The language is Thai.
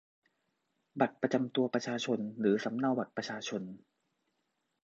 บัตรประจำตัวประชาชนหรือสำเนาบัตรประชาชน